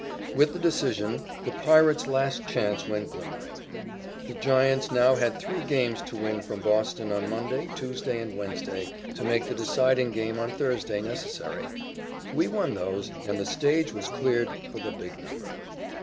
With the decision, the Pirates' last chance went glimmering. The Giants now had three games to win from Boston on Monday, Tuesday and Wednesday, to make the deciding game on Thursday necessary. We won those, and the stage was cleared for the big number.